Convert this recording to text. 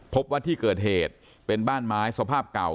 พบว่าที่เกิดเหตุเป็นบ้านไม้สภาพเก่า